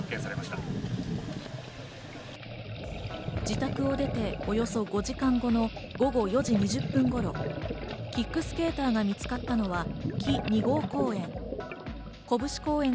自宅を出ておよそ５時間後の午後４時２０分頃、キックスケーターが見つかったのは木２号公園。